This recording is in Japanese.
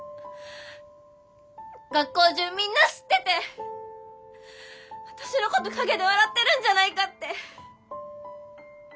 学校中みんな知ってて私のこと陰で笑ってるんじゃないかって。